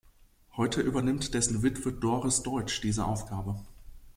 Heute übernimmt dessen Witwe Doris Deutsch diese Aufgabe.